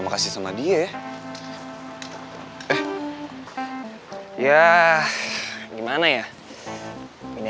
masa lebaran monyet